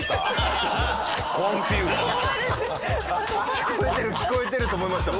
聞こえてる聞こえてると思いましたもん。